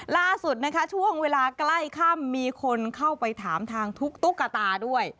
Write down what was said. ล่าสุดนะคะช่วงเวลาใกล้ค่ำมีคนเข้าไปถามทางทุกตุ๊กตาด้วย